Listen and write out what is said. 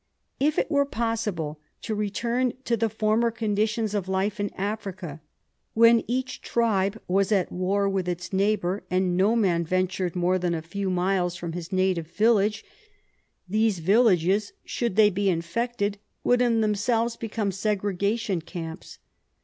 If it were possible to return to the former conditions of life in Africa, when each tribe was at war with its neighbour, and no man ventured more than a few miles from his native village, these villages, should they be infected, would in themselves become segregation camps.